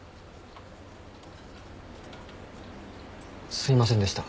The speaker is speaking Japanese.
すいませんでした。